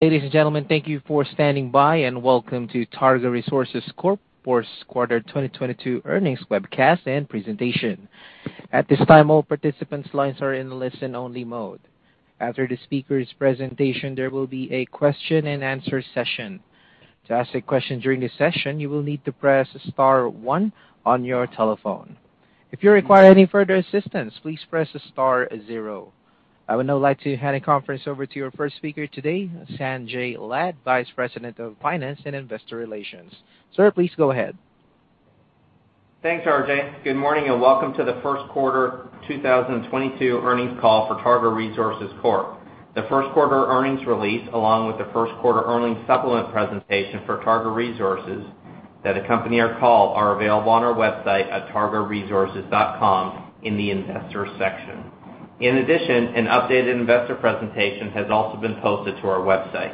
Ladies and gentlemen, thank you for standing by, and welcome to Targa Resources Corp. fourth quarter 2022 earnings webcast and presentation. At this time, all participants' lines are in listen only mode. After the speaker's presentation, there will be a question and answer session. To ask a question during this session, you will need to press star one on your telephone. If you require any further assistance, please press star zero. I would now like to hand the conference over to your first speaker today, Sanjay Lad, Vice President, Finance & Investor Relations. Sir, please go ahead. Thanks, RJ. Good morning, and welcome to the first quarter 2022 earnings call for Targa Resources Corp. The first quarter earnings release, along with the first quarter earnings supplement presentation for Targa Resources that accompany our call are available on our website at targaresources.com in the investor section. In addition, an updated investor presentation has also been posted to our website.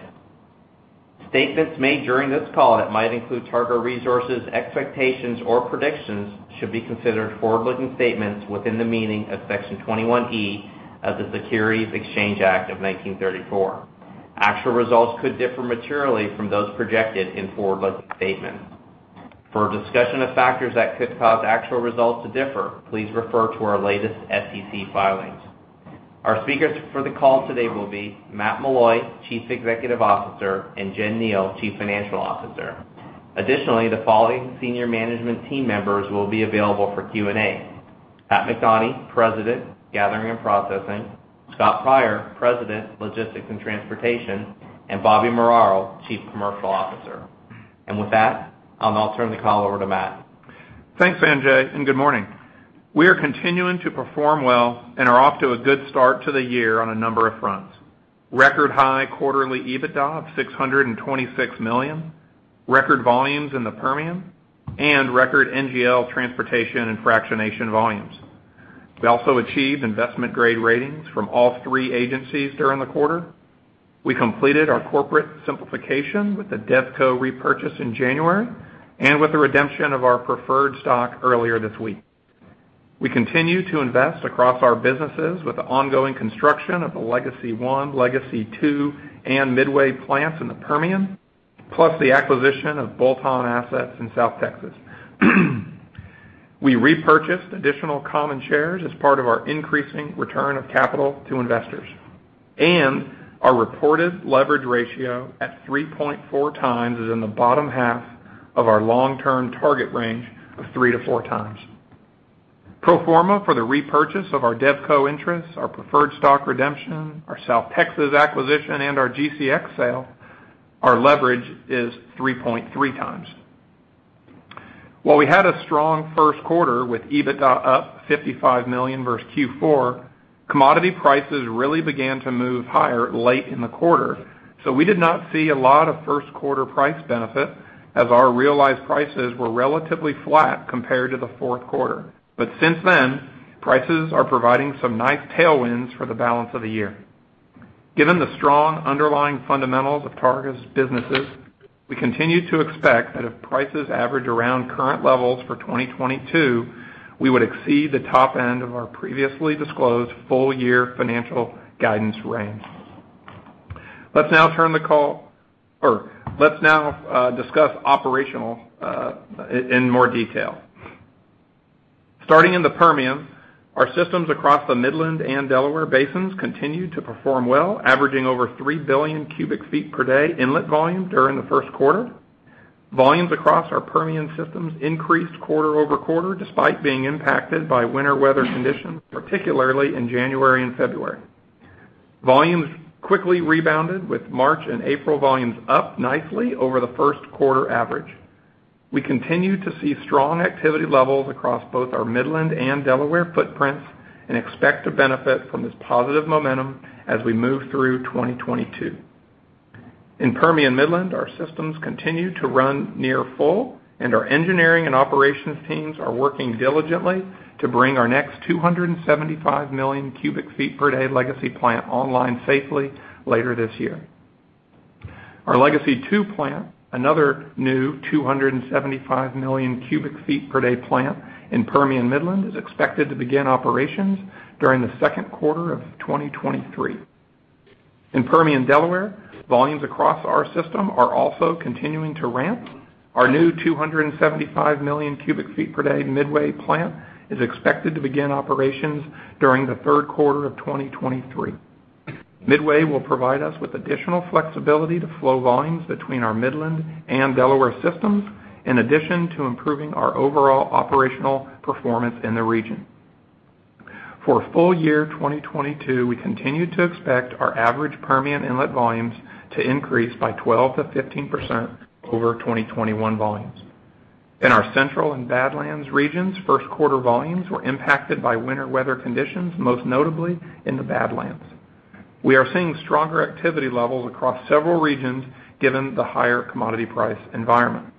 Statements made during this call that might include Targa Resources expectations or predictions should be considered forward-looking statements within the meaning of Section 21E of the Securities Exchange Act of 1934. Actual results could differ materially from those projected in forward-looking statements. For a discussion of factors that could cause actual results to differ, please refer to our latest SEC filings. Our speakers for the call today will be Matt Meloy, Chief Executive Officer, and Jen Kneale, Chief Financial Officer. Additionally, the following senior management team members will be available for Q&A. Pat McAnany, President, Gathering and Processing, Scott Pryor, President, Logistics and Transportation, and Bobby Muraro, Chief Commercial Officer. With that, I'll turn the call over to Matt. Thanks, Sanjay, and good morning. We are continuing to perform well and are off to a good start to the year on a number of fronts. Record high quarterly EBITDA of $626 million, record volumes in the Permian, and record NGL transportation and fractionation volumes. We also achieved investment-grade ratings from all three agencies during the quarter. We completed our corporate simplification with the DevCo repurchase in January, and with the redemption of our preferred stock earlier this week. We continue to invest across our businesses with the ongoing construction of the Legacy I, Legacy II, and Midway plants in the Permian, plus the acquisition of bolt-on assets in South Texas. We repurchased additional common shares as part of our increasing return of capital to investors. Our reported leverage ratio at 3.4 times is in the bottom half of our long-term target range of 3-4 times. Pro forma for the repurchase of our DevCo interests, our preferred stock redemption, our South Texas acquisition, and our GCX sale, our leverage is 3.3 times. While we had a strong first quarter with EBITDA up $55 million versus Q4, commodity prices really began to move higher late in the quarter. We did not see a lot of first quarter price benefit as our realized prices were relatively flat compared to the fourth quarter. Since then, prices are providing some nice tailwinds for the balance of the year. Given the strong underlying fundamentals of Targa's businesses, we continue to expect that if prices average around current levels for 2022, we would exceed the top end of our previously disclosed full year financial guidance range. Let's now discuss operations in more detail. Starting in the Permian, our systems across the Midland and Delaware basins continued to perform well, averaging over 3 billion cubic feet per day inlet volume during the first quarter. Volumes across our Permian systems increased quarter-over-quarter, despite being impacted by winter weather conditions, particularly in January and February. Volumes quickly rebounded with March and April volumes up nicely over the first quarter average. We continue to see strong activity levels across both our Midland and Delaware footprints and expect to benefit from this positive momentum as we move through 2022. In Permian Midland, our systems continue to run near full, and our engineering and operations teams are working diligently to bring our next 275 million cubic feet per day Legacy plant online safely later this year. Our Legacy II plant, another new 275 million cubic feet per day plant in Permian Midland, is expected to begin operations during the second quarter of 2023. In Permian Delaware, volumes across our system are also continuing to ramp. Our new 275 million cubic feet per day Midway plant is expected to begin operations during the third quarter of 2023. Midway will provide us with additional flexibility to flow volumes between our Midland and Delaware systems, in addition to improving our overall operational performance in the region. For full year 2022, we continue to expect our average Permian inlet volumes to increase by 12%-15% over 2021 volumes. In our Central and Badlands regions, first quarter volumes were impacted by winter weather conditions, most notably in the Badlands. We are seeing stronger activity levels across several regions given the higher commodity price environment.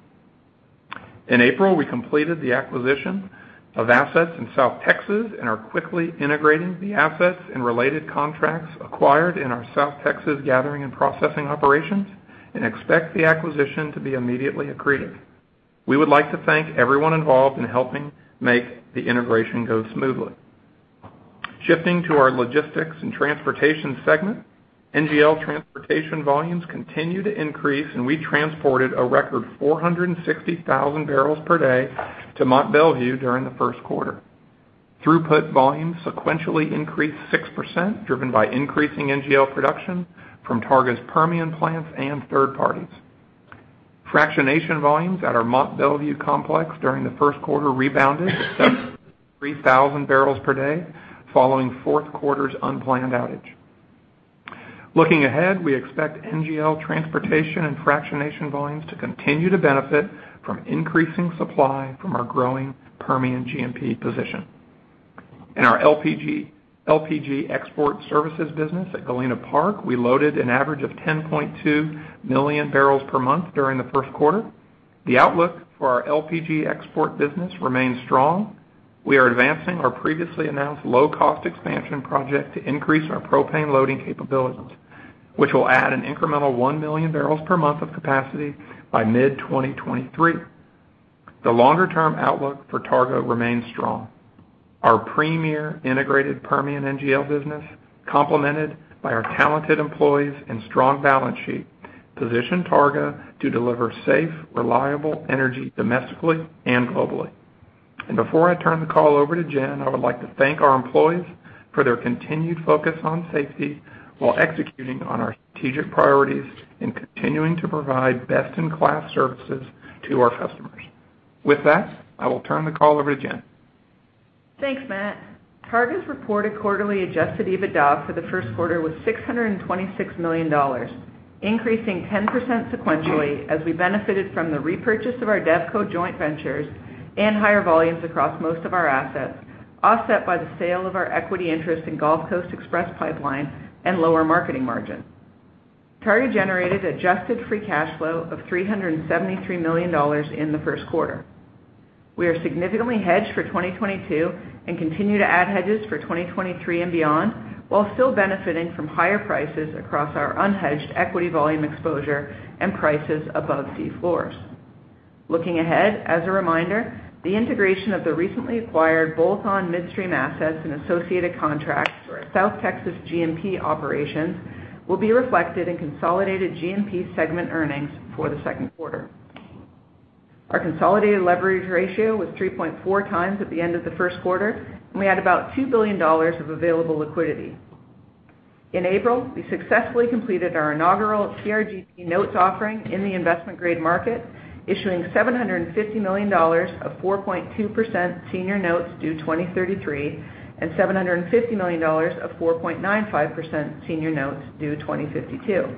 In April, we completed the acquisition of assets in South Texas and are quickly integrating the assets and related contracts acquired in our South Texas Gathering and Processing operations and expect the acquisition to be immediately accretive. We would like to thank everyone involved in helping make the integration go smoothly. Shifting to our logistics and transportation segment. NGL transportation volumes continue to increase, and we transported a record 460,000 barrels per day to Mont Belvieu during the first quarter. Throughput volumes sequentially increased 6%, driven by increasing NGL production from Targa's Permian plants and third parties. Fractionation volumes at our Mont Belvieu complex during the first quarter rebounded to 3,000 barrels per day following fourth quarter's unplanned outage. Looking ahead, we expect NGL transportation and fractionation volumes to continue to benefit from increasing supply from our growing Permian GMP position. In our LPG export services business at Galena Park, we loaded an average of 10.2 million barrels per month during the first quarter. The outlook for our LPG export business remains strong. We are advancing our previously announced low-cost expansion project to increase our propane loading capabilities, which will add an incremental 1 million barrels per month of capacity by mid-2023. The longer-term outlook for Targa remains strong. Our premier integrated Permian NGL business, complemented by our talented employees and strong balance sheet, position Targa to deliver safe, reliable energy domestically and globally. Before I turn the call over to Jen, I would like to thank our employees for their continued focus on safety while executing on our strategic priorities and continuing to provide best-in-class services to our customers. With that, I will turn the call over to Jen. Thanks, Matt. Targa's reported quarterly Adjusted EBITDA for the first quarter was $626 million, increasing 10% sequentially as we benefited from the repurchase of our DevCo joint ventures and higher volumes across most of our assets, offset by the sale of our equity interest in Gulf Coast Express Pipeline and lower marketing margins. Targa generated adjusted free cash flow of $373 million in the first quarter. We are significantly hedged for 2022 and continue to add hedges for 2023 and beyond, while still benefiting from higher prices across our unhedged equity volume exposure and prices above K floors. Looking ahead, as a reminder, the integration of the recently acquired Southcross midstream assets and associated contracts for our South Texas GMP operations will be reflected in consolidated GMP segment earnings for the second quarter. Our consolidated leverage ratio was 3.4x at the end of the first quarter, and we had about $2 billion of available liquidity. In April, we successfully completed our inaugural TRGP notes offering in the investment-grade market, issuing $750 million of 4.2% senior notes due 2033, and $750 million of 4.95% senior notes due 2052.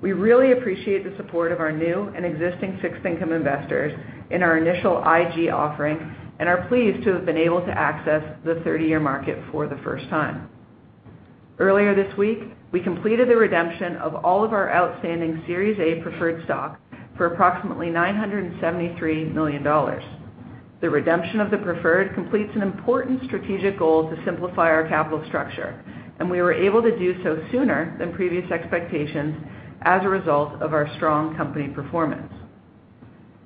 We really appreciate the support of our new and existing fixed income investors in our initial IG offering and are pleased to have been able to access the 30-year market for the first time. Earlier this week, we completed the redemption of all of our outstanding Series A preferred stock for approximately $973 million. The redemption of the preferred completes an important strategic goal to simplify our capital structure, and we were able to do so sooner than previous expectations as a result of our strong company performance.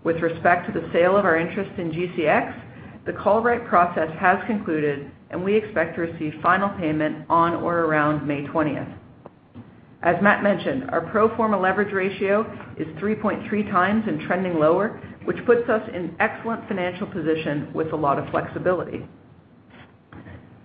With respect to the sale of our interest in GCX, the call right process has concluded, and we expect to receive final payment on or around May 20th. As Matt mentioned, our pro forma leverage ratio is 3.3 times and trending lower, which puts us in excellent financial position with a lot of flexibility.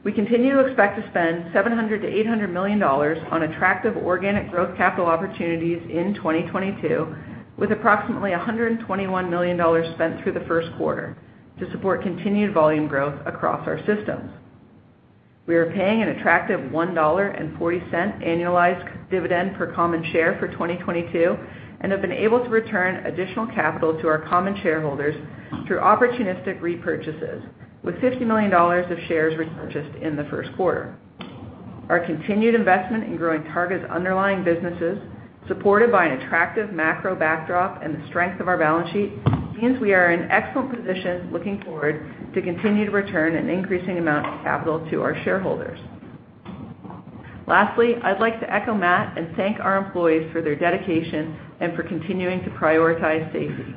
We continue to expect to spend $700 million-$800 million on attractive organic growth capital opportunities in 2022, with approximately $121 million spent through the first quarter to support continued volume growth across our systems. We are paying an attractive $1.40 annualized dividend per common share for 2022, and have been able to return additional capital to our common shareholders through opportunistic repurchases, with $50 million of shares repurchased in the first quarter. Our continued investment in growing Targa's underlying businesses, supported by an attractive macro backdrop and the strength of our balance sheet, means we are in excellent position looking forward to continue to return an increasing amount of capital to our shareholders. Lastly, I'd like to echo Matt and thank our employees for their dedication and for continuing to prioritize safety.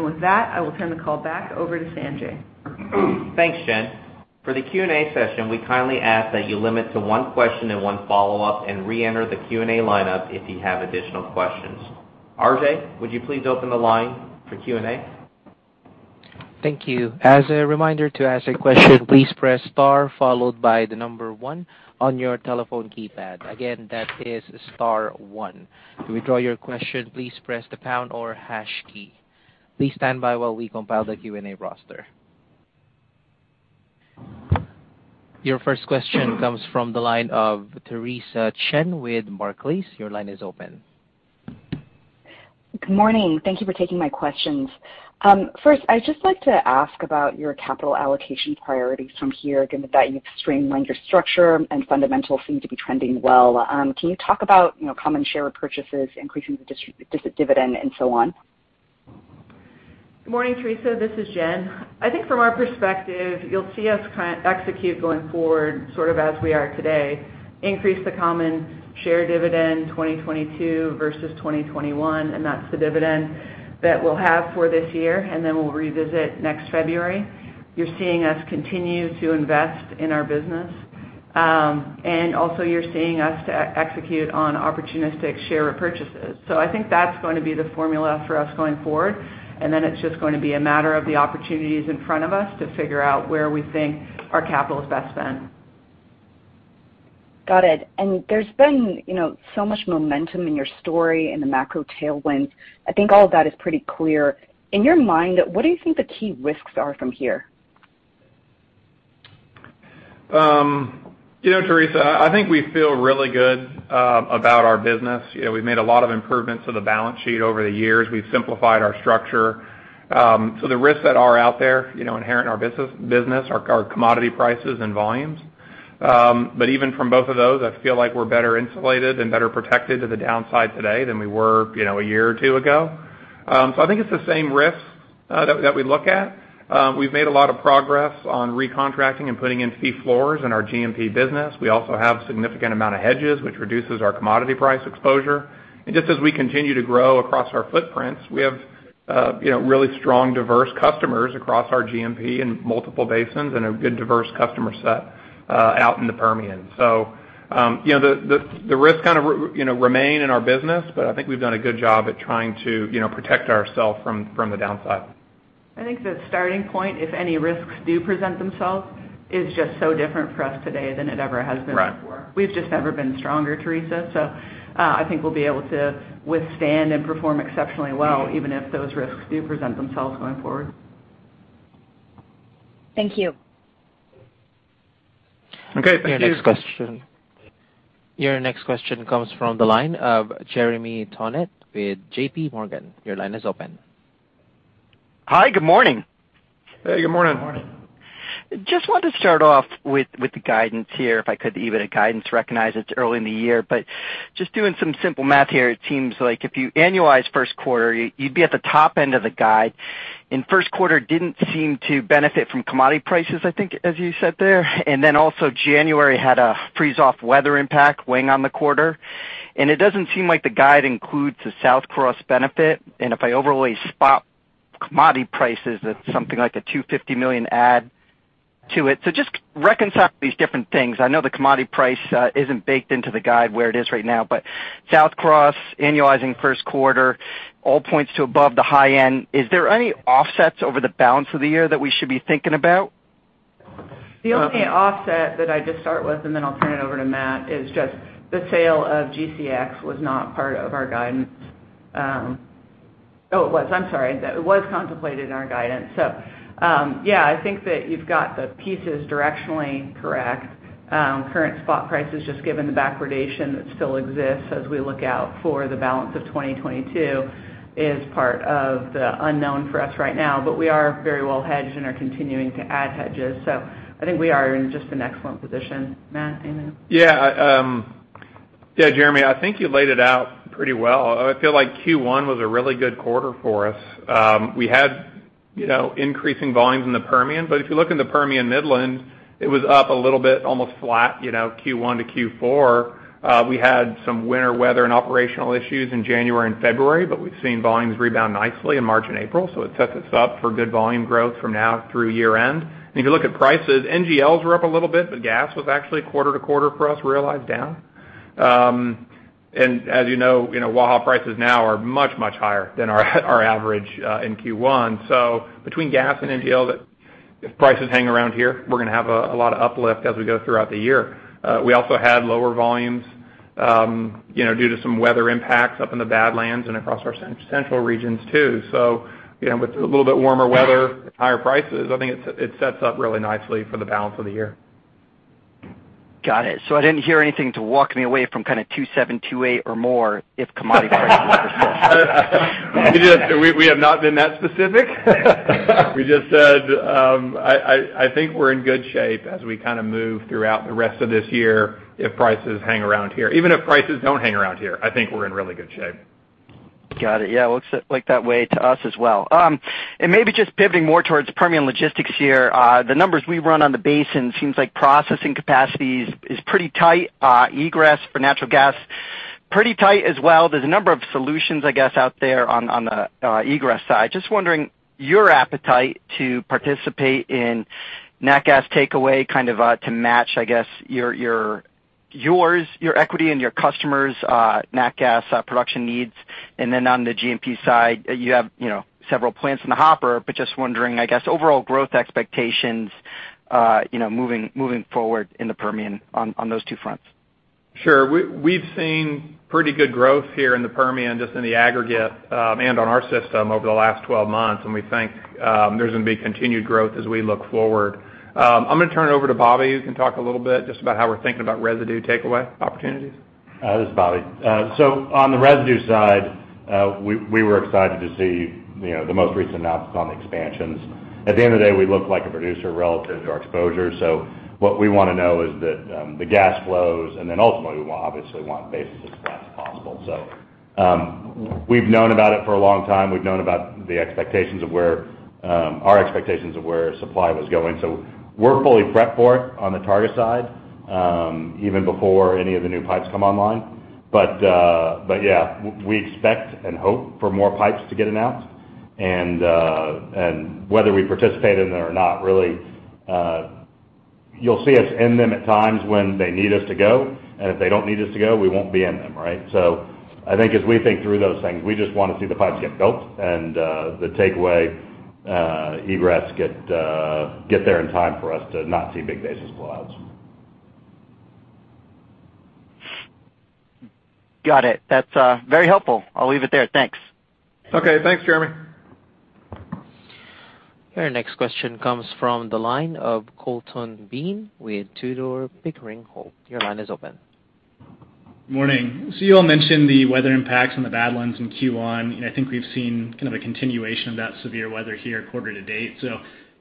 With that, I will turn the call back over to Sanjay. Thanks, Jen. For the Q&A session, we kindly ask that you limit to one question and one follow-up and reenter the Q&A lineup if you have additional questions. RJ, would you please open the line for Q&A? Thank you. As a reminder to ask a question, please press star followed by the number one on your telephone keypad. Again, that is star one. To withdraw your question, please press the pound or hash key. Please stand by while we compile the Q&A roster. Your first question comes from the line of Theresa Chen with Barclays. Your line is open. Good morning. Thank you for taking my questions. First, I'd just like to ask about your capital allocation priorities from here, given that you've streamlined your structure and fundamentals seem to be trending well. Can you talk about, you know, common share repurchases, increasing the dividend, and so on? Good morning, Theresa. This is Jen. I think from our perspective, you'll see us execute going forward sort of as we are today, increase the common share dividend 2022 versus 2021, and that's the dividend that we'll have for this year, and then we'll revisit next February. You're seeing us continue to invest in our business, and also you're seeing us execute on opportunistic share repurchases. I think that's going to be the formula for us going forward, and then it's just gonna be a matter of the opportunities in front of us to figure out where we think our capital is best spent. Got it. There's been, you know, so much momentum in your story and the macro tailwinds. I think all of that is pretty clear. In your mind, what do you think the key risks are from here? You know, Theresa, I think we feel really good about our business. You know, we've made a lot of improvements to the balance sheet over the years. We've simplified our structure. The risks that are out there, you know, inherent in our business are commodity prices and volumes. Even from both of those, I feel like we're better insulated and better protected to the downside today than we were, you know, a year or two ago. I think it's the same risks that we look at. We've made a lot of progress on recontracting and putting in fee floors in our G&P business. We also have significant amount of hedges, which reduces our commodity price exposure. Just as we continue to grow across our footprints, we have, you know, really strong, diverse customers across our G&P in multiple basins and a good, diverse customer set out in the Permian. The risks kind of, you know, remain in our business, but I think we've done a good job at trying to, you know, protect ourself from the downside. I think the starting point, if any risks do present themselves, is just so different for us today than it ever has been before. Right. We've just never been stronger, Theresa. I think we'll be able to withstand and perform exceptionally well, even if those risks do present themselves going forward. Thank you. Okay. Thank you. Your next question. Your next question comes from the line of Jeremy Tonet with JP Morgan. Your line is open. Hi, good morning. Hey, good morning. Just wanted to start off with the guidance here, if I could. Even the guidance, recognize it's early in the year. Just doing some simple math here, it seems like if you annualize first quarter, you'd be at the top end of the guide. In first quarter, didn't seem to benefit from commodity prices, I think, as you said there. Also January had a freeze-off weather impact weighing on the quarter. It doesn't seem like the guide includes the Southcross benefit. If I overlay spot commodity prices, it's something like a $250 million add to it. Just reconcile these different things. I know the commodity price isn't baked into the guide where it is right now, but Southcross annualizing first quarter all points to above the high end. Is there any offsets over the balance of the year that we should be thinking about? The only offset that I just start with, and then I'll turn it over to Matt, is just the sale of GCX. It was contemplated in our guidance. Yeah, I think that you've got the pieces directionally correct. Current spot prices, just given the backwardation that still exists as we look out for the balance of 2022 is part of the unknown for us right now. But we are very well hedged and are continuing to add hedges. I think we are in just an excellent position. Matt, anything? Jeremy, I think you laid it out pretty well. I feel like Q1 was a really good quarter for us. We had, you know, increasing volumes in the Permian, but if you look in the Permian Midland, it was up a little bit, almost flat, you know, Q1- Q4. We had some winter weather and operational issues in January and February, but we've seen volumes rebound nicely in March and April, so it sets us up for good volume growth from now through year-end. If you look at prices, NGLs were up a little bit, but gas was actually quarter to quarter for us, realized down. And as you know, you know, Waha prices now are much, much higher than our average in Q1. Between gas and NGL, if prices hang around here, we're gonna have a lot of uplift as we go throughout the year. We also had lower volumes, you know, due to some weather impacts up in the Badlands and across our central regions too. You know, with a little bit warmer weather, higher prices, I think it sets up really nicely for the balance of the year. Got it. I didn't hear anything to walk me away from kind of $2.7-$2.8 or more if commodity prices persist. We have not been that specific. We just said, I think we're in good shape as we kinda move throughout the rest of this year if prices hang around here. Even if prices don't hang around here, I think we're in really good shape. Got it. Yeah, it looks like that way to us as well. Maybe just pivoting more towards Permian logistics here. The numbers we run on the basin seems like processing capacities is pretty tight. Egress for natural gas, pretty tight as well. There's a number of solutions, I guess, out there on the egress side. Just wondering your appetite to participate in nat gas takeaway, kind of to match, I guess, your equity and your customers' nat gas production needs. Then on the G&P side, you have, you know, several plants in the hopper, but just wondering, I guess, overall growth expectations, you know, moving forward in the Permian on those two fronts. Sure. We've seen pretty good growth here in the Permian, just in the aggregate, and on our system over the last 12 months, and we think there's gonna be continued growth as we look forward. I'm gonna turn it over to Bobby, who can talk a little bit just about how we're thinking about residue takeaway opportunities. This is Bobby. On the residue side, we were excited to see, you know, the most recent announcements on the expansions. At the end of the day, we look like a producer relative to our exposure, so what we wanna know is that the gas flows, and then ultimately, we obviously want basis as well. Possible. We've known about it for a long time. We've known about the expectations of where our expectations of where supply was going. We're fully prepped for it on the Targa side, even before any of the new pipes come online. But yeah, we expect and hope for more pipes to get announced. Whether we participate in them or not, really, you'll see us in them at times when they need us to go, and if they don't need us to go, we won't be in them, right? I think as we think through those things, we just wanna see the pipes get built and the takeaway, egress get there in time for us to not see big basis blowouts. Got it. That's very helpful. I'll leave it there. Thanks. Okay, thanks, Jeremy. Your next question comes from the line of Colton Bean with Tudor, Pickering, Holt & Co. Your line is open. Morning. You all mentioned the weather impacts on the Badlands in Q1, and I think we've seen kind of a continuation of that severe weather year to date.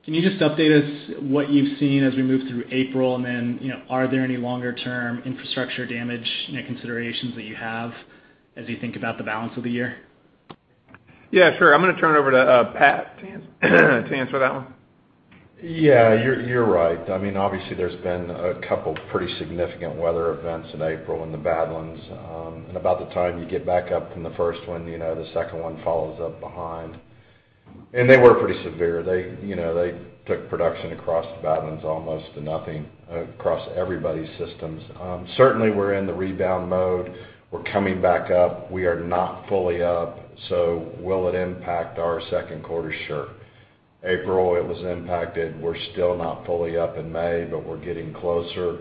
Can you just update us what you've seen as we move through April? You know, are there any longer term infrastructure damage, you know, considerations that you have as you think about the balance of the year? Yeah, sure. I'm gonna turn it over to Pat to answer that one. Yeah, you're right. I mean, obviously, there's been a couple pretty significant weather events in April in the Badlands. About the time you get back up from the first one, you know, the second one follows up behind. They were pretty severe. They, you know, took production across the Badlands almost to nothing across everybody's systems. Certainly we're in the rebound mode. We're coming back up. We are not fully up, so will it impact our second quarter? Sure. April, it was impacted. We're still not fully up in May, but we're getting closer.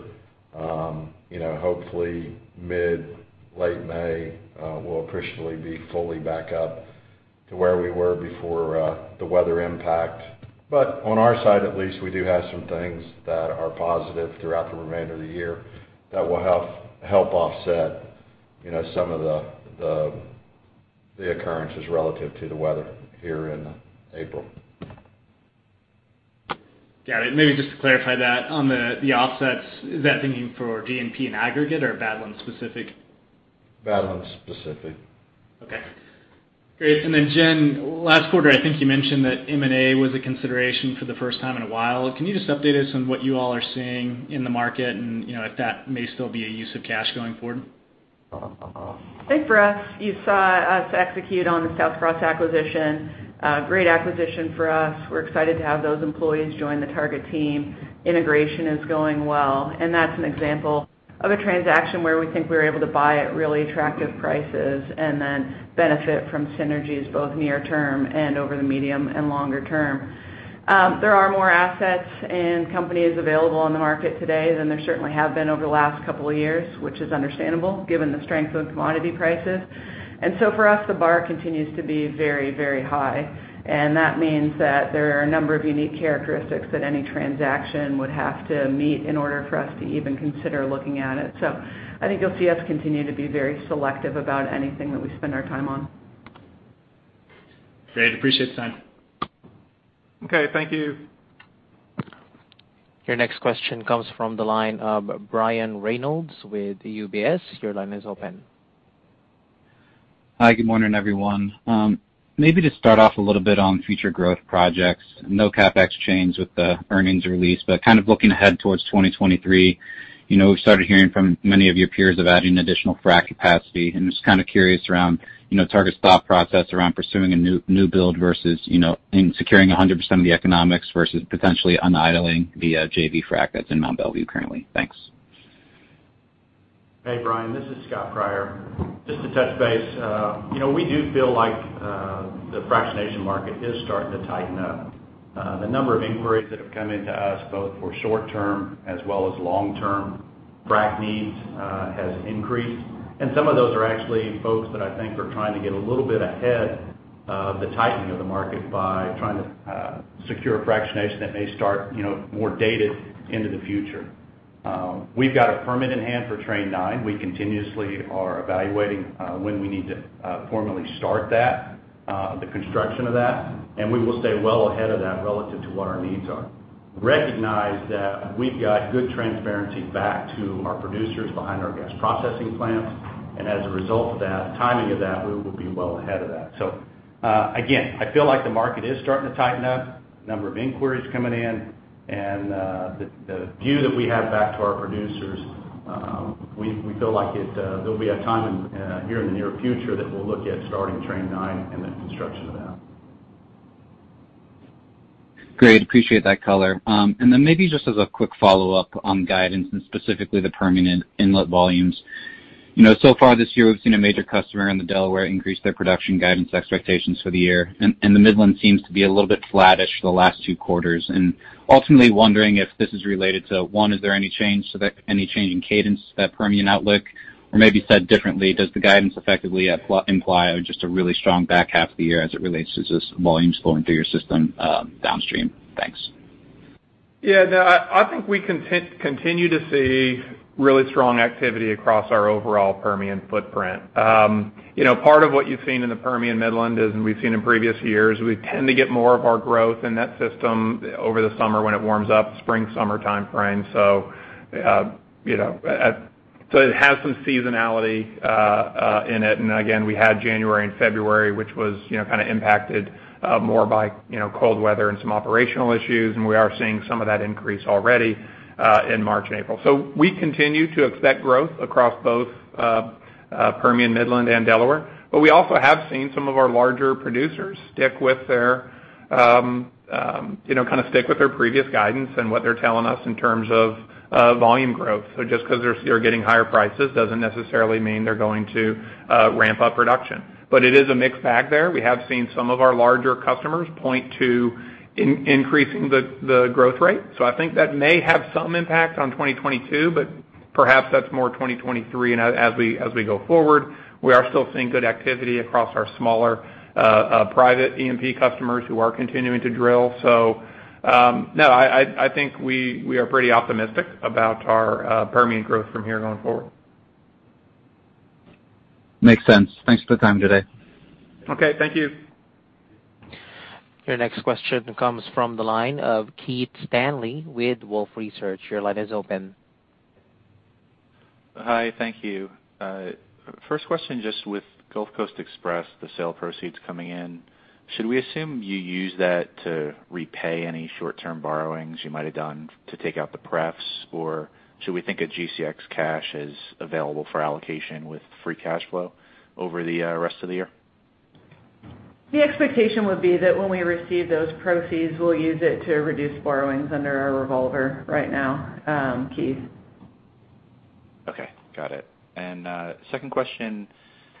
You know, hopefully mid, late May, we'll officially be fully back up to where we were before, the weather impact. On our side at least, we do have some things that are positive throughout the remainder of the year that will help offset, you know, some of the occurrences relative to the weather here in April. Got it. Maybe just to clarify that, on the offsets, is that thinking for G&P in aggregate or Badlands specific? Badlands specific. Okay, great. Jen, last quarter, I think you mentioned that M&A was a consideration for the first time in a while. Can you just update us on what you all are seeing in the market and, you know, if that may still be a use of cash going forward? I think for us, you saw us execute on the Southcross acquisition, great acquisition for us. We're excited to have those employees join the Targa team. Integration is going well, and that's an example of a transaction where we think we're able to buy at really attractive prices and then benefit from synergies both near term and over the medium and longer term. There are more assets and companies available on the market today than there certainly have been over the last couple of years, which is understandable given the strength of commodity prices. For us, the bar continues to be very, very high, and that means that there are a number of unique characteristics that any transaction would have to meet in order for us to even consider looking at it. I think you'll see us continue to be very selective about anything that we spend our time on. Great. Appreciate the time. Okay, thank you. Your next question comes from the line of Brian Reynolds with UBS. Your line is open. Hi, good morning, everyone. Maybe to start off a little bit on future growth projects. No CapEx change with the earnings release, but kind of looking ahead towards 2023, you know, we've started hearing from many of your peers of adding additional frac capacity, and just kinda curious around, you know, Targa's thought process around pursuing a new build versus, you know, and securing 100% of the economics versus potentially unidling the JV frac that's in Mont Belvieu currently. Thanks. Hey, Brian. This is Scott Pryor. Just to touch base, you know, we do feel like the fractionation market is starting to tighten up. The number of inquiries that have come into us, both for short term as well as long term frac needs, has increased. Some of those are actually folks that I think are trying to get a little bit ahead of the tightening of the market by trying to secure fractionation that may start, you know, more dated into the future. We've got a permit in hand for Train 9. We continuously are evaluating when we need to formally start that, the construction of that, and we will stay well ahead of that relative to what our needs are. Recognize that we've got good transparency back to our producers behind our gas processing plants, and as a result of that timing of that, we will be well ahead of that. Again, I feel like the market is starting to tighten up, number of inquiries coming in, and, the view that we have back to our producers, we feel like it, there'll be a time in, here in the near future that we'll look at starting Train 9 and the construction of that. Great. Appreciate that color. Then maybe just as a quick follow-up on guidance and specifically the Permian inlet volumes. You know, so far this year, we've seen a major customer in the Delaware increase their production guidance expectations for the year. The Midland seems to be a little bit flattish the last two quarters. Ultimately wondering if this is related to, one, is there any change in cadence to that Permian outlook? Or maybe said differently, does the guidance effectively imply just a really strong back half of the year as it relates to just volumes flowing through your system, downstream? Thanks. Yeah, no, I think we continue to see really strong activity across our overall Permian footprint. You know, part of what you've seen in the Permian Midland is, and we've seen in previous years, we tend to get more of our growth in that system over the summer when it warms up, spring, summer timeframe. You know, at It has some seasonality in it. Again, we had January and February, which was, you know, kind of impacted more by, you know, cold weather and some operational issues, and we are seeing some of that increase already in March and April. We continue to expect growth across both Permian, Midland, and Delaware. We also have seen some of our larger producers stick with their, you know, kind of stick with their previous guidance and what they're telling us in terms of volume growth. Just 'cause they're getting higher prices doesn't necessarily mean they're going to ramp up production. It is a mixed bag there. We have seen some of our larger customers point to increasing the growth rate. I think that may have some impact on 2022, but perhaps that's more 2023. As we go forward, we are still seeing good activity across our smaller private E&P customers who are continuing to drill. No, I think we are pretty optimistic about our Permian growth from here going forward. Makes sense. Thanks for the time today. Okay, thank you. Your next question comes from the line of Keith Stanley with Wolfe Research. Your line is open. Hi. Thank you. First question, just with Gulf Coast Express, the sale proceeds coming in, should we assume you use that to repay any short-term borrowings you might have done to take out the prefs, or should we think of GCX cash as available for allocation with free cash flow over the rest of the year? The expectation would be that when we receive those proceeds, we'll use it to reduce borrowings under our revolver right now, Keith. Okay. Got it. Second question.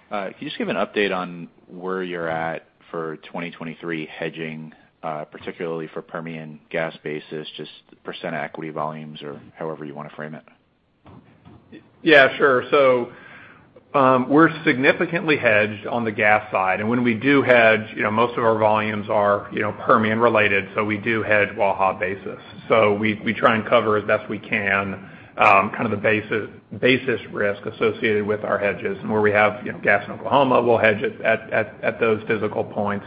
Can you just give an update on where you're at for 2023 hedging, particularly for Permian gas basis, just % equity volumes or however you wanna frame it? Yeah, sure. We're significantly hedged on the gas side, and when we do hedge, you know, most of our volumes are, you know, Permian related, so we do hedge Waha basis. We try and cover as best we can, kind of the basis risk associated with our hedges. Where we have, you know, gas in Oklahoma, we'll hedge it at those physical points,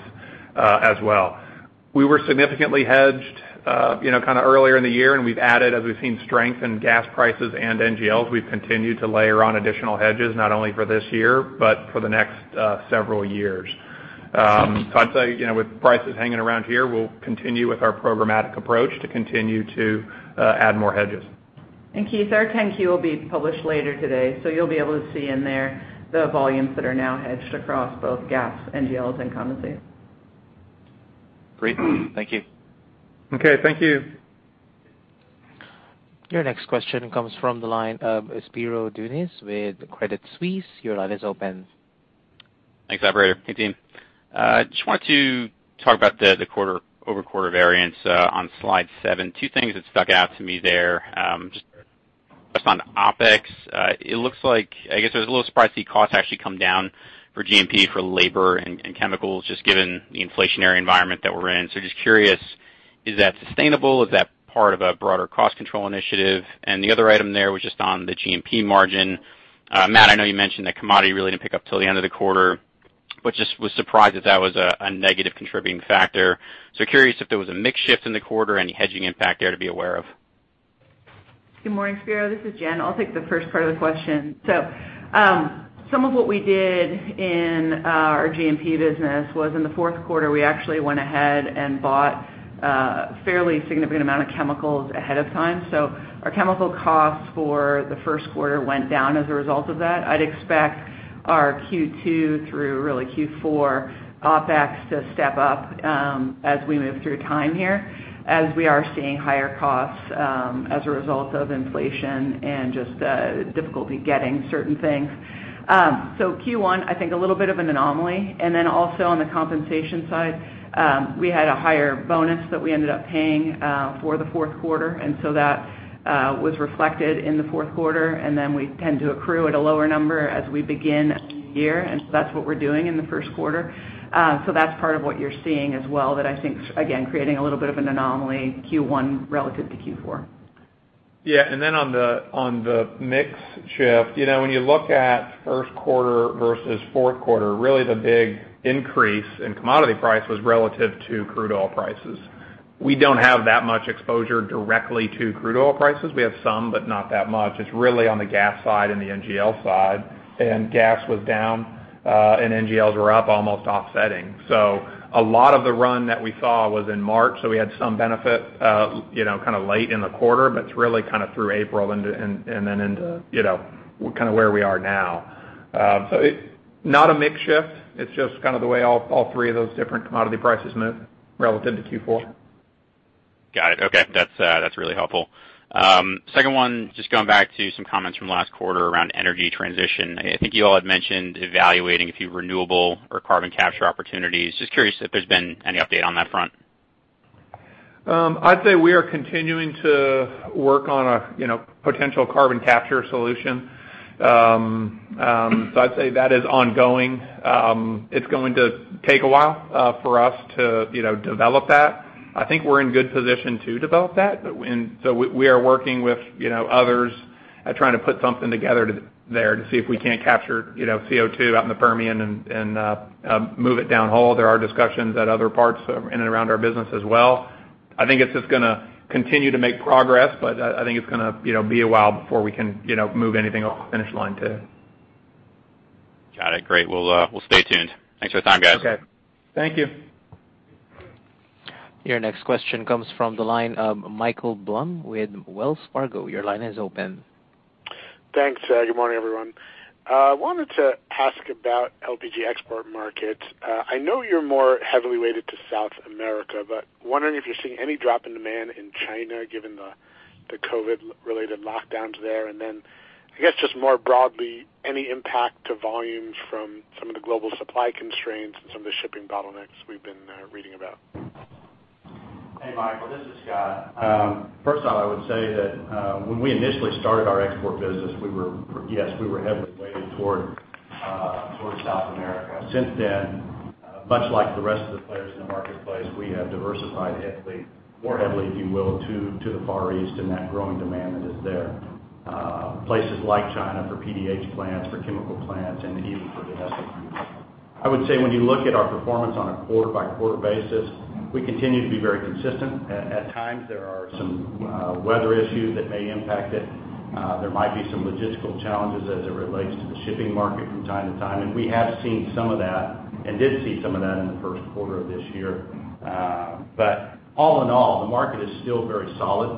as well. We were significantly hedged, you know, kind of earlier in the year, and we've added as we've seen strength in gas prices and NGLs. We've continued to layer on additional hedges, not only for this year, but for the next several years. I'd say, you know, with prices hanging around here, we'll continue with our programmatic approach to continue to add more hedges. Keith, our 10-Q will be published later today, so you'll be able to see in there the volumes that are now hedged across both gas, NGLs and condensate. Great. Thank you. Okay. Thank you. Your next question comes from the line of Spiro Dounis with Credit Suisse. Your line is open. Thanks, operator. Hey, team. Just wanted to talk about the quarter-over-quarter variance on slide 7. Two things that stuck out to me there, just on OpEx, it looks like, I guess I was a little surprised to see costs actually come down for G&P, for labor and chemicals, just given the inflationary environment that we're in. Just curious, is that sustainable? Is that part of a broader cost control initiative? The other item there was just on the G&P margin. Matt, I know you mentioned that commodity really didn't pick up till the end of the quarter, but just was surprised that that was a negative contributing factor. Curious if there was a mix shift in the quarter, any hedging impact there to be aware of. Good morning, Spiro. This is Jen. I'll take the first part of the question. Some of what we did in our G&P business was in the fourth quarter, we actually went ahead and bought fairly significant amount of chemicals ahead of time. Our chemical costs for the first quarter went down as a result of that. I'd expect our Q2 through really Q4 OpEx to step up as we move through time here, as we are seeing higher costs as a result of inflation and just difficulty getting certain things. Q1, I think a little bit of an anomaly. Also on the compensation side, we had a higher bonus that we ended up paying for the fourth quarter, and so that was reflected in the fourth quarter, and then we tend to accrue at a lower number as we begin a new year. That's what we're doing in the first quarter. That's part of what you're seeing as well that I think, again, creating a little bit of an anomaly Q1 relative to Q4. Yeah. Then on the mix shift, you know, when you look at first quarter versus fourth quarter, really the big increase in commodity price was relative to crude oil prices. We don't have that much exposure directly to crude oil prices. We have some, but not that much. It's really on the gas side and the NGL side, and gas was down, and NGLs were up almost offsetting. A lot of the run that we saw was in March, so we had some benefit, you know, kind of late in the quarter, but it's really kind of through April and then into, you know, kind of where we are now. Not a mix shift, it's just kind of the way all three of those different commodity prices moved relative to Q4. Got it. Okay. That's really helpful. Second one, just going back to some comments from last quarter around energy transition. I think you all had mentioned evaluating a few renewable or carbon capture opportunities. Just curious if there's been any update on that front. I'd say we are continuing to work on a, you know, potential carbon capture solution. I'd say that is ongoing. It's going to take a while for us to, you know, develop that. I think we're in good position to develop that. We are working with, you know, others at trying to put something together to see if we can't capture, you know, CO2 out in the Permian and move it downhole. There are discussions at other parts in and around our business as well. I think it's just gonna continue to make progress, but I think it's gonna, you know, be a while before we can, you know, move anything off the finish line too. Got it. Great. We'll stay tuned. Thanks for the time, guys. Okay. Thank you. Your next question comes from the line of Michael Blum with Wells Fargo. Your line is open. Thanks. Good morning, everyone. Wanted to ask about LPG export market. I know you're more heavily weighted to South America, but wondering if you're seeing any drop in demand in China, given the COVID-related lockdowns there. Then I guess just more broadly, any impact to volumes from some of the global supply constraints and some of the shipping bottlenecks we've been reading about. Hey, Michael. This is Scott. First off, I would say that when we initially started our export business, we were heavily weighted toward South America. Since then, much like the rest of the players in the marketplace, we have diversified heavily, more heavily, if you will, to the Far East and that growing demand that is there, places like China for PDH plants, for chemical plants, and even for domestic use. I would say when you look at our performance on a quarter-by-quarter basis, we continue to be very consistent. At times, there are some weather issues that may impact it. There might be some logistical challenges as it relates to the shipping market from time to time, and we have seen some of that and did see some of that in the first quarter of this year. All in all, the market is still very solid.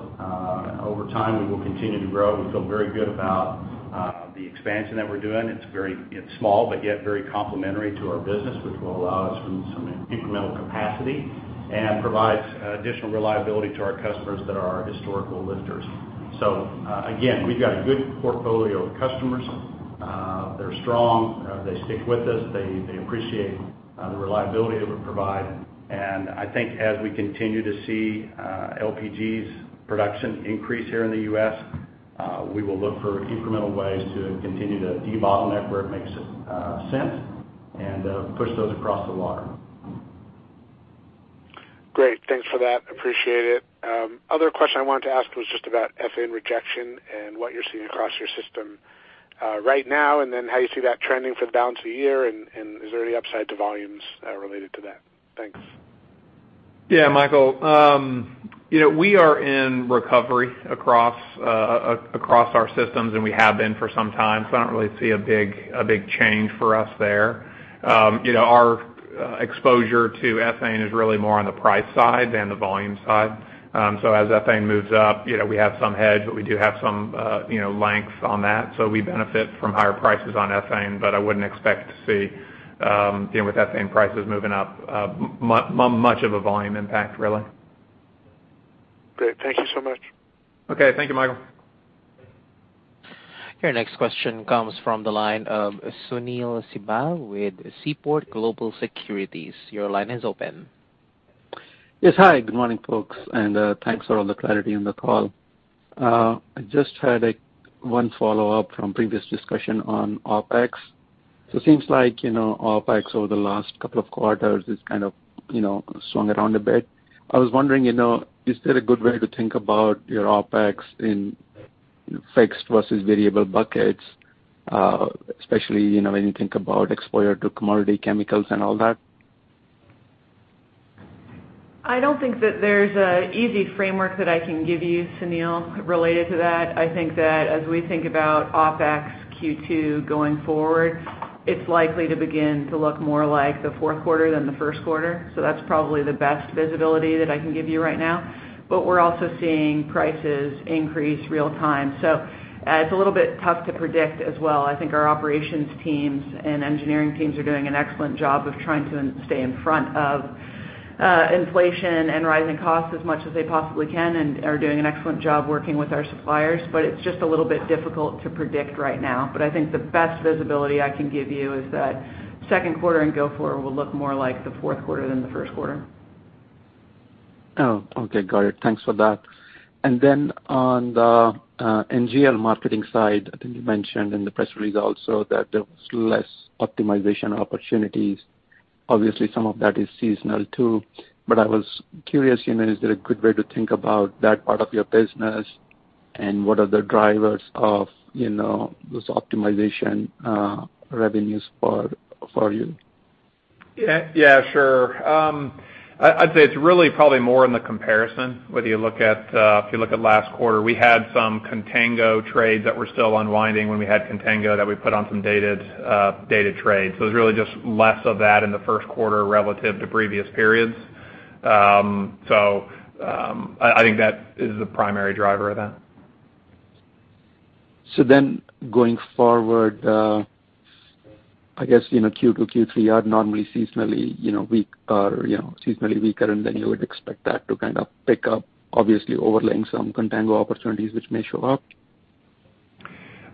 Over time, we will continue to grow. We feel very good about the expansion that we're doing. It's small, but yet very complementary to our business, which will allow us some incremental capacity and provides additional reliability to our customers that are our historical lifters. Again, we've got a good portfolio of customers. They're strong. They stick with us. They appreciate the reliability that we provide. I think as we continue to see LPG's production increase here in the U.S., we will look for incremental ways to continue to debottleneck where it makes sense and push those across the water. Great. Thanks for that. Appreciate it. Other question I wanted to ask was just about ethane rejection and what you're seeing across your system, right now, and then how you see that trending for the balance of the year. Is there any upside to volumes, related to that? Thanks. Yeah, Michael. You know, we are in recovery across our systems, and we have been for some time, so I don't really see a big change for us there. You know, our exposure to ethane is really more on the price side than the volume side. As ethane moves up, you know, we have some hedge, but we do have some you know long on that, so we benefit from higher prices on ethane. I wouldn't expect to see you know with ethane prices moving up much of a volume impact really. Great. Thank you so much. Okay. Thank you, Michael. Your next question comes from the line of Sunil Sibal with Seaport Global Securities. Your line is open. Yes. Hi. Good morning, folks, and thanks for all the clarity on the call. I just had, like, one follow-up from previous discussion on OpEx. It seems like, you know, OpEx over the last couple of quarters has kind of, you know, swung around a bit. I was wondering, you know, is there a good way to think about your OpEx in fixed versus variable buckets, especially, you know, when you think about exposure to commodity chemicals and all that? I don't think that there's an easy framework that I can give you, Sunil, related to that. I think that as we think about OpEx Q2 going forward, it's likely to begin to look more like the fourth quarter than the first quarter. That's probably the best visibility that I can give you right now. We're also seeing prices increase real time. It's a little bit tough to predict as well. I think our operations teams and engineering teams are doing an excellent job of trying to stay in front of, inflation and rising costs as much as they possibly can and are doing an excellent job working with our suppliers. It's just a little bit difficult to predict right now. I think the best visibility I can give you is that second quarter and go-forward will look more like the fourth quarter than the first quarter. Oh, okay. Got it. Thanks for that. On the NGL marketing side, I think you mentioned in the press release also that there was less optimization opportunities. Obviously, some of that is seasonal too, but I was curious, you know, is there a good way to think about that part of your business, and what are the drivers of, you know, those optimization revenues for you? Yeah, yeah, sure. I'd say it's really probably more in the comparison, if you look at last quarter, we had some contango trades that were still unwinding when we had contango that we put on some dated trades. It's really just less of that in the first quarter relative to previous periods. I think that is the primary driver of that. Going forward, I guess, you know, Q2, Q3 are normally seasonally, you know, weak or, you know, seasonally weaker, and then you would expect that to kind of pick up, obviously overlaying some contango opportunities which may show up.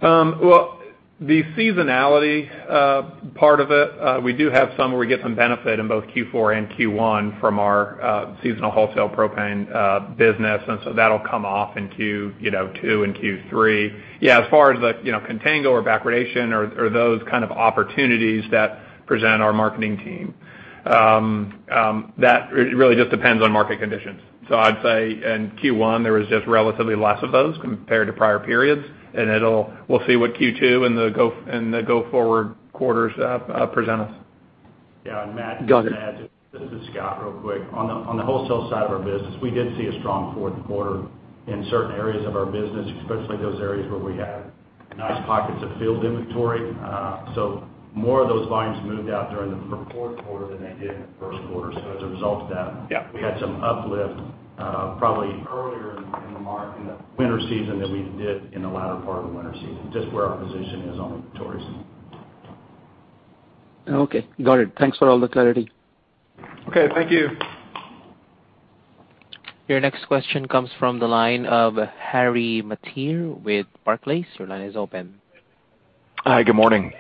Well, the seasonality part of it, we do have some where we get some benefit in both Q4 and Q1 from our seasonal wholesale propane business, and so that'll come off in Q2 and Q3. Yeah, as far as the contango or backwardation or those kind of opportunities that present our marketing team, that really just depends on market conditions. So I'd say in Q1, there was just relatively less of those compared to prior periods, and we'll see what Q2 and the go-forward quarters present us. Yeah. And Matt- Got it. This is Scott, real quick. On the wholesale side of our business, we did see a strong fourth quarter in certain areas of our business, especially those areas where we had nice pockets of field inventory. More of those volumes moved out during the fourth quarter than they did in the first quarter. As a result of that. Yeah We had some uplift, probably earlier in the winter season than we did in the latter part of the winter season, just where our position is on the inventories. Okay, got it. Thanks for all the clarity. Okay, thank you. Your next question comes from the line of Harry Mateer with Barclays. Your line is open. Hi. Good morning.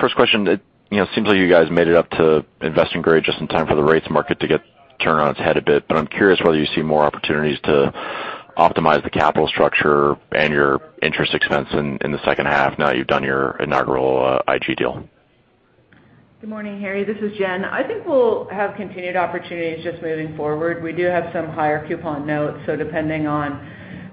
First question, it, you know, seems like you guys made it up to investment grade just in time for the rates market to get turned on its head a bit. I'm curious whether you see more opportunities to optimize the capital structure and your interest expense in the second half now you've done your inaugural IG deal. Good morning, Harry. This is Jen. I think we'll have continued opportunities just moving forward. We do have some higher coupon notes, so depending on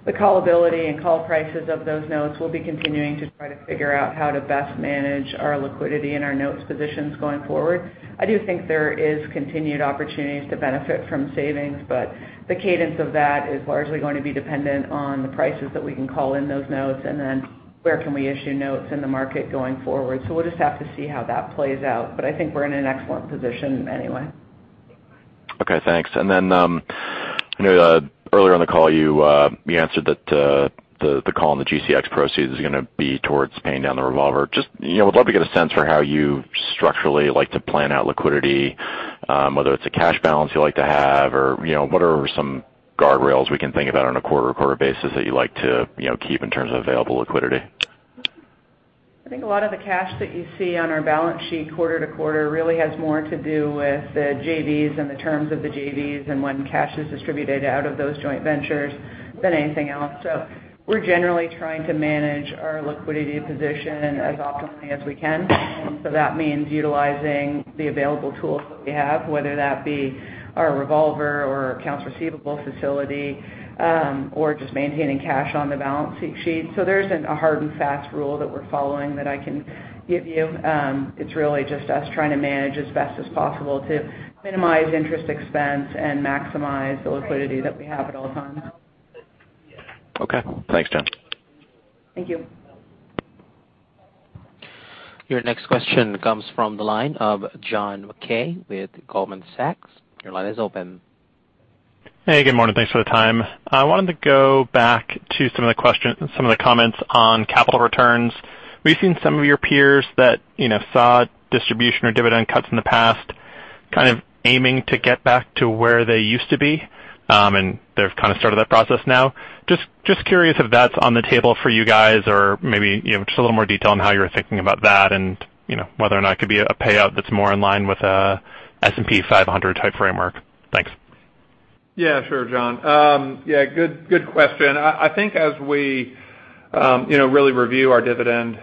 the callability and call prices of those notes, we'll be continuing to try to figure out how to best manage our liquidity and our notes positions going forward. I do think there is continued opportunities to benefit from savings, but the cadence of that is largely going to be dependent on the prices that we can call in those notes, and then where can we issue notes in the market going forward. We'll just have to see how that plays out. I think we're in an excellent position anyway. Okay, thanks. I know that earlier in the call you answered that the call on the GCX proceeds is gonna be towards paying down the revolver. Just, you know, would love to get a sense for how you structurally like to plan out liquidity, whether it's a cash balance you like to have, or, you know, what are some guardrails we can think about on a quarter-to-quarter basis that you like to, you know, keep in terms of available liquidity? I think a lot of the cash that you see on our balance sheet quarter to quarter really has more to do with the JVs and the terms of the JVs and when cash is distributed out of those joint ventures than anything else. We're generally trying to manage our liquidity position as optimally as we can. That means utilizing the available tools that we have, whether that be our revolver or accounts receivable facility, or just maintaining cash on the balance sheet. There isn't a hard and fast rule that we're following that I can give you. It's really just us trying to manage as best as possible to minimize interest expense and maximize the liquidity that we have at all times. Okay. Thanks, Jen. Thank you. Your next question comes from the line of John Mackay with Goldman Sachs. Your line is open. Hey, good morning. Thanks for the time. I wanted to go back to some of the comments on capital returns. We've seen some of your peers that, you know, saw distribution or dividend cuts in the past, kind of aiming to get back to where they used to be, and they've kind of started that process now. Just curious if that's on the table for you guys, or maybe, you know, just a little more detail on how you're thinking about that and, you know, whether or not it could be a payout that's more in line with a S&P 500 type framework. Thanks. Yeah, sure, John. Yeah, good question. I think as we you know really review our dividend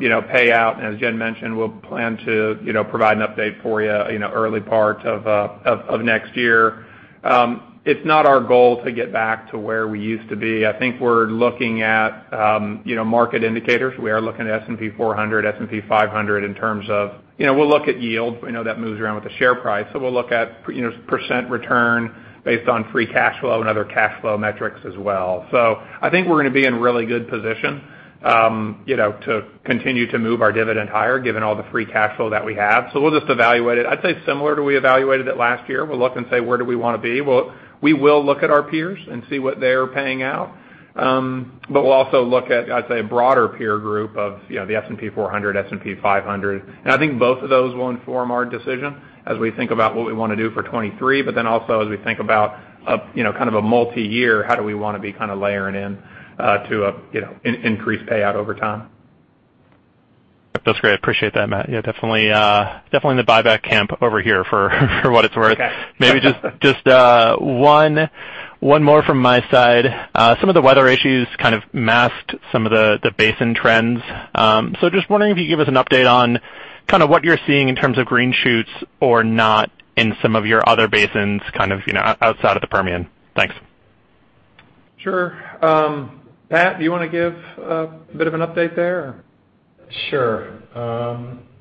you know payout, and as Jen mentioned, we'll plan to you know provide an update for you you know early part of next year. It's not our goal to get back to where we used to be. I think we're looking at you know market indicators. We are looking at S&P 400, S&P 500 in terms of. You know, we'll look at yield. We know that moves around with the share price. We'll look at you know percent return based on free cash flow and other cash flow metrics as well. I think we're gonna be in really good position you know to continue to move our dividend higher given all the free ch flow that we have. We'll just evaluate it, I'd say similar to we evaluated it last year. We'll look and say, where do we wanna be? We will look at our peers and see what they're paying out. We'll also look at, I'd say, a broader peer group of, you know, the S&P 400, S&P 500. I think both of those will inform our decision as we think about what we wanna do for 2023, but then also as we think about, you know, kind of a multiyear, how do we wanna be kind of layering in to a, you know, increased payout over time. That's great. Appreciate that, Matt. Yeah, definitely in the buyback camp over here for what it's worth. Okay. Maybe one more from my side. Some of the weather issues kind of masked some of the basin trends. Just wondering if you could give us an update on kind of what you're seeing in terms of green shoots or not in some of your other basins, kind of, you know, outside of the Permian. Thanks. Sure. Pat, do you wanna give a bit of an update there? Sure.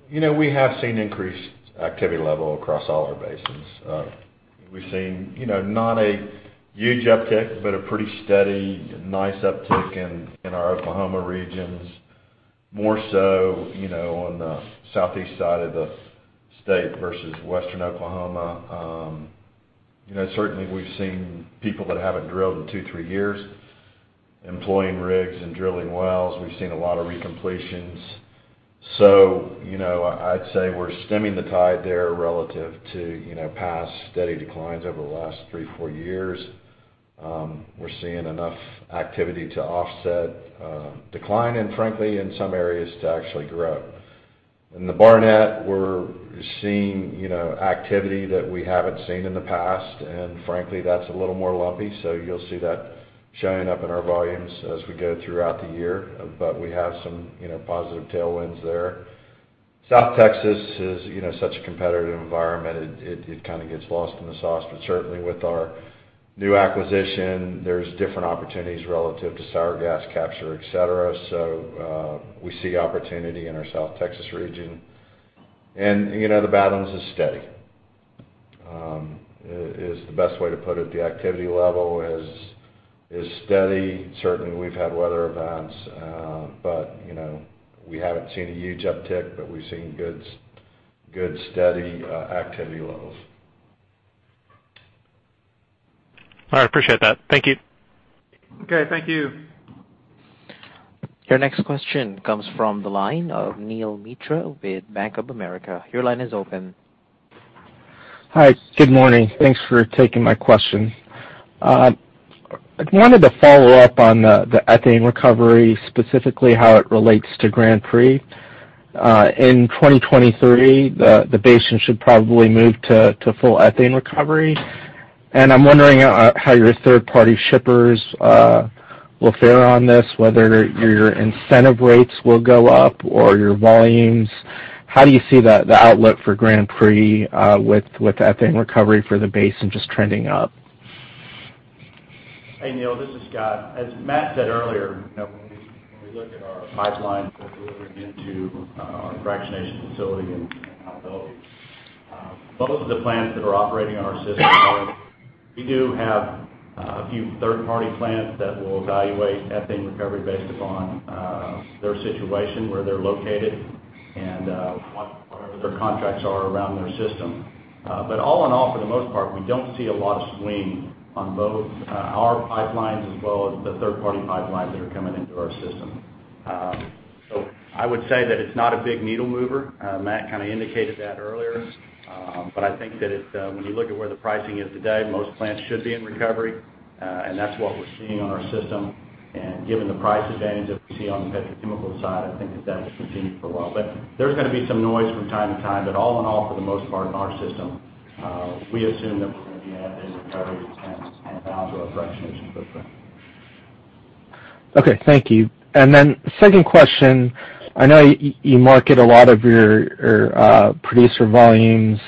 You know, we have seen increased activity level across all our basins. We've seen, you know, not a huge uptick, but a pretty steady, nice uptick in our Oklahoma regions, more so, you know, on the southeast side of the state versus western Oklahoma. You know, certainly we've seen people that haven't drilled in two, three years employing rigs and drilling wells. We've seen a lot of recompletions. You know, I'd say we're stemming the tide there relative to, you know, past steady declines over the last 3, 4 years. We're seeing enough activity to offset decline and frankly, in some areas to actually grow. In the Barnett, we're seeing, you know, activity that we haven't seen in the past, and frankly, that's a little more lumpy. You'll see that showing up in our volumes as we go throughout the year. We have some, you know, positive tailwinds there. South Texas is, you know, such a competitive environment, it kind of gets lost in the sauce. Certainly with our New acquisition, there's different opportunities relative to sour gas capture, et cetera. We see opportunity in our South Texas region. You know, the balance is steady, is the best way to put it. The activity level is steady. Certainly, we've had weather events, but you know, we haven't seen a huge uptick, but we've seen good, steady activity levels. All right, appreciate that. Thank you. Okay, thank you. Your next question comes from the line of Neel Mitra with Bank of America. Your line is open. Hi, good morning. Thanks for taking my question. I wanted to follow up on the ethane recovery, specifically how it relates to Grand Prix. In 2023, the basin should probably move to full ethane recovery, and I'm wondering how your third-party shippers will fare on this, whether your incentive rates will go up or your volumes. How do you see the outlook for Grand Prix with ethane recovery for the basin and just trending up? Hey, Neil, this is Scott. As Matt said earlier, you know, when we look at our pipelines that are delivering into our fractionation facility in Mont Belvieu, both of the plants that are operating on our system we do have a few third-party plants that will evaluate ethane recovery based upon their situation, where they're located, and whatever their contracts are around their system. All in all, for the most part, we don't see a lot of swing on both our pipelines as well as the third-party pipelines that are coming into our system. I would say that it's not a big needle mover. Matt kind of indicated that earlier. I think that it, when you look at where the pricing is today, most plants should be in recovery, and that's what we're seeing on our system. Given the price advantage that we see on the petrochemical side, I think that that will continue for a while. There's gonna be some noise from time to time, but all in all, for the most part in our system, we assume that we're gonna be in recovery and bound to a fractionation footprint. Okay, thank you. Second question, I know you market a lot of your producer volumes,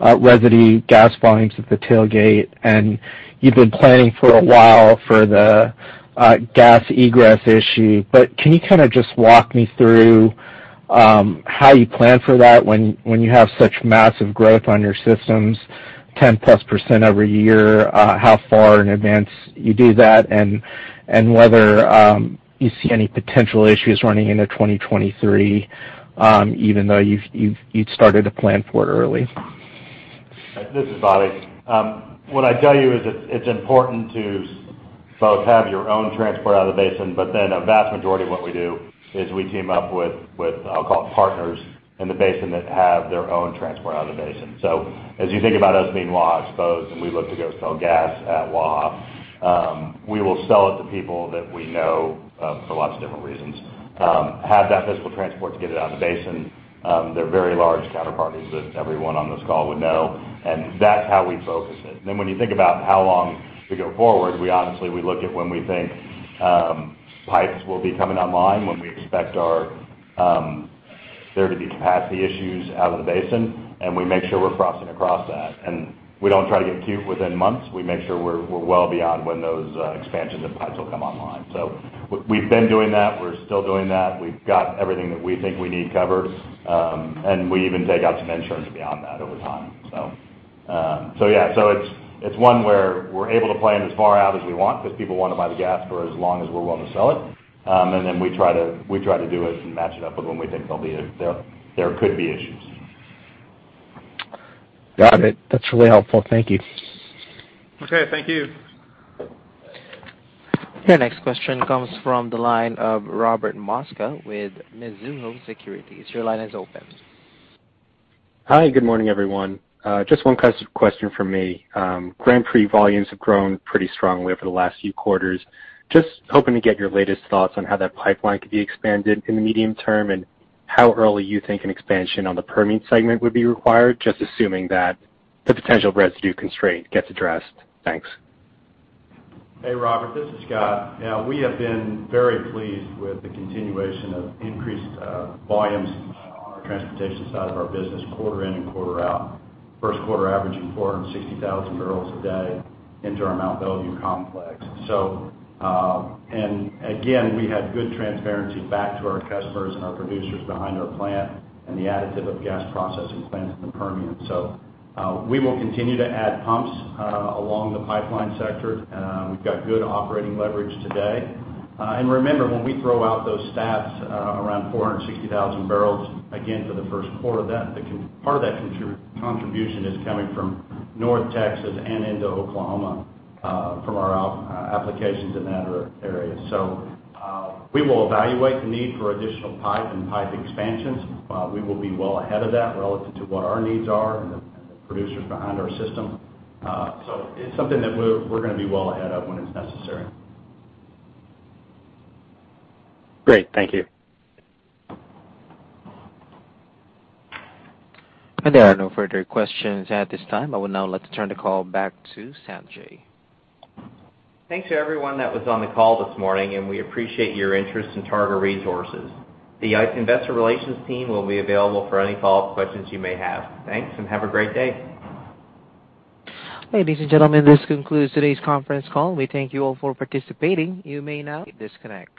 residue gas volumes at the tailgate, and you've been planning for a while for the gas egress issue. But can you kind of just walk me through how you plan for that when you have such massive growth on your systems, 10%+ every year, how far in advance you do that, and whether you see any potential issues running into 2023, even though you've started to plan for it early? This is Bobby. What I tell you is it's important to both have your own transport out of the basin, but then a vast majority of what we do is we team up with, I'll call it partners in the basin that have their own transport out of the basin. As you think about us being long both and we look to go sell gas at Waha, we will sell it to people that we know, for lots of different reasons, have that physical transport to get it out of the basin. They're very large counterparties that everyone on this call would know, and that's how we focus it. When you think about how long to go forward, we obviously look at when we think pipes will be coming online, when we expect there to be capacity issues out of the basin, and we make sure we're crossing across that. We don't try to get cute within months. We make sure we're well beyond when those expansions and pipes will come online. We've been doing that. We're still doing that. We've got everything that we think we need covered, and we even take out some insurance beyond that over time. It's one where we're able to plan as far out as we want because people wanna buy the gas for as long as we're willing to sell it. We try to do it and match it up with when we think there could be issues. Got it. That's really helpful. Thank you. Okay, thank you. Your next question comes from the line of Robert Mosca with Mizuho Securities. Your line is open. Hi, good morning, everyone. Just one question from me. Grand Prix volumes have grown pretty strongly over the last few quarters. Just hoping to get your latest thoughts on how that pipeline could be expanded in the medium term, and how early you think an expansion on the Permian segment would be required, just assuming that the potential residue constraint gets addressed. Thanks. Hey, Robert, this is Scott. We have been very pleased with the continuation of increased volumes on our transportation side of our business quarter in and quarter out. First quarter averaging 460,000 barrels a day into our Mont Belvieu complex. We have good transparency back to our customers and our producers behind our plant and the addition of gas processing plants in the Permian. We will continue to add pumps along the pipeline sector. We've got good operating leverage today. Remember, when we throw out those stats around 460,000 barrels, again, for the first quarter, that contribution is coming from North Texas and into Oklahoma from our operations in that area. We will evaluate the need for additional pipe and pipe expansions. We will be well ahead of that relative to what our needs are and the producers behind our system. It's something that we're gonna be well ahead of when it's necessary. Great. Thank you. There are no further questions at this time. I would now like to turn the call back to Sanjay. Thanks to everyone that was on the call this morning, and we appreciate your interest in Targa Resources. The investor relations team will be available for any follow-up questions you may have. Thanks, and have a great day. Ladies and gentlemen, this concludes today's conference call. We thank you all for participating. You may now disconnect.